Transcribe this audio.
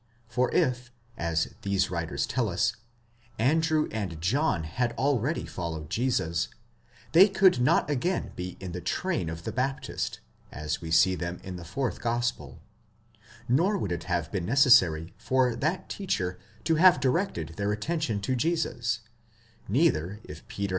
For if, as these writers tells us, Andrew and John had already followed Jesus, they could not again be in the train of the Baptist, as we see them in the fourth gospel, nor would it have been neces sary for that teacher to have directed their attention to Jesus; neither if Peter 309 310 PART II. CHAPTER V. § 70.